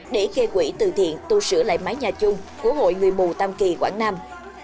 để gây quỹ từ thiện tu sửa lại mái nhà chung của hội người mù tam kỳ quảng nam